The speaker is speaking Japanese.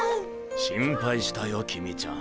心配したよ公ちゃん。